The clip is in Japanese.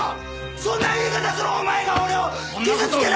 そんな言い方するお前が俺を傷つけたんだよ！